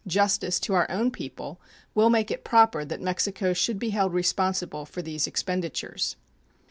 Justice to our own people will make it proper that Mexico should be held responsible for these expenditures.